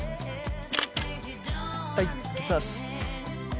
はいいきます！